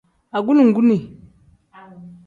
Agulonguni.